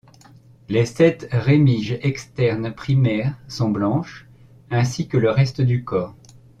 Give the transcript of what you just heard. Les sept rémiges externes primaires sont blanches, ainsi que le reste du corps.